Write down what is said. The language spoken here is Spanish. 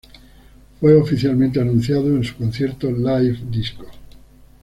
Fue oficialmente anunciado en su concierto live Disco!